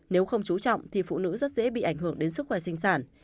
nếu không chú trọng thì phụ nữ rất dễ bị ảnh hưởng đến sức khỏe sinh sản